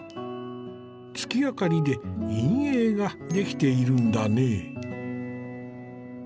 月明かりで陰影ができているんだね。